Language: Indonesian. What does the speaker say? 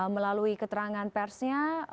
melalui keterangan persnya